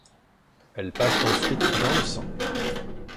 Elles passent ensuite dans le sang.